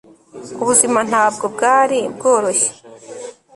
Ubuzima ntabwo bwari bworoshye